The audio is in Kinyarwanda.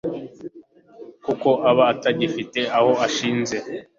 kuko aba atagifite aho ashinze.